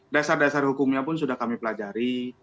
dasar dasar hukumnya pun sudah kami pelajari